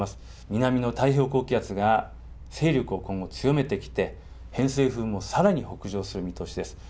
南の太平洋高気圧が、勢力を今後、強めてきて、偏西風もさらに北上する見通しです。